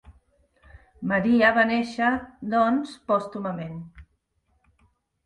Maria va néixer, doncs, pòstumament.